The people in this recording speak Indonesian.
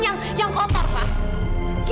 gimana zaira gak marah pak